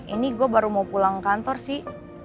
ini gue baru mau pulang kantor sih